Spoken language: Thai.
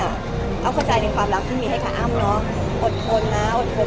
อ้าวบอกคุณเพื่อนอ่ะเอาเข้าใจในความรักที่มีให้ค่ะอ้าวมึงเนาะอดทนนะอดทน